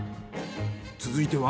続いては。